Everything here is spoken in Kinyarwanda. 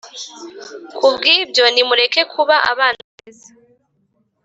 Ku bw ibyo nimureke kuba abana beza